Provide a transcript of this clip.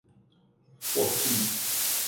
Fortim